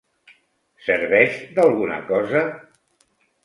Serveix d'alguna cosa?